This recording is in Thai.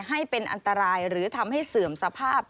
ให้เป็นอันตรายหรือทำให้เสื่อมสภาพ